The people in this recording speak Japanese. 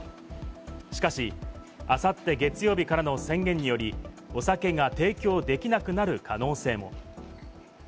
しかし、あさって月曜日からの宣言により、お酒が提供できなくなる可能性も。